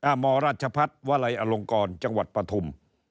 อ่ะมรัชพัฒน์วลัยอลงกรจังหวัดประถุม